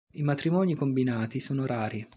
I matrimoni combinati sono rari.